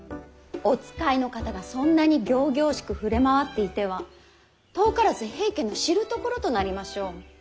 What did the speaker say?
お使いの方がそんなに仰々しく触れ回っていては遠からず平家の知るところとなりましょう。